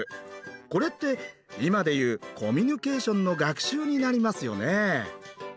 これって今で言うコミュニケーションの学習になりますよね。